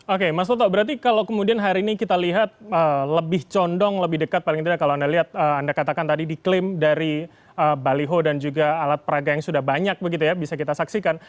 oke mas toto berarti kalau kemudian hari ini kita lihat lebih condong lebih dekat paling tidak kalau anda lihat anda katakan tadi diklaim dari baliho dan juga alat peraga yang sudah banyak begitu ya bisa kita saksikan